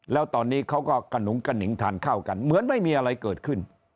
แล้วตอนนี้เขาก็กระหนุงกระหนิงทานข้าวกันเหมือนไม่มีอะไรเกิดขึ้น